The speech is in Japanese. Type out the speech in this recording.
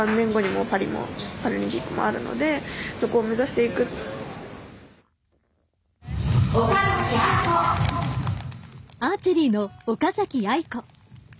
アーチェリーの岡崎愛子。